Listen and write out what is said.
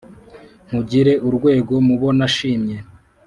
nkugire urwego mu bo nashimye.